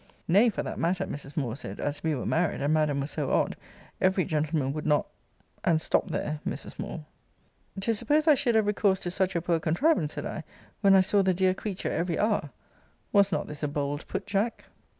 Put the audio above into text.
Nay, for that matter, Mrs. Moore said, as we were married, and madam was so odd every gentleman would not and stopt there Mrs. Moore. 'To suppose I should have recourse to such a poor contrivance, said I, when I saw the dear creature every hour.' Was not this a bold put, Jack?